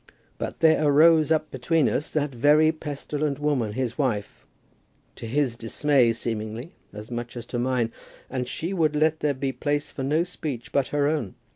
But there arose up between us that very pestilent woman, his wife, to his dismay, seemingly, as much as to mine, and she would let there be place for no speech but her own.